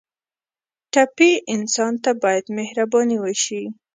ټپي انسان ته باید مهرباني وشي.